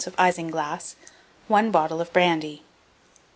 of isinglass, 1 bottle of brandy.